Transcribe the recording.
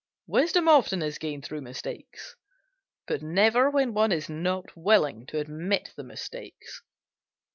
Wisdom often is gained through mistakes, but never when one is not willing to admit the mistakes.